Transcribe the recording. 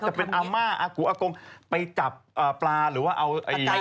จะเป็นอาม่าอากูอากงไปจับปลาหรือว่าเอา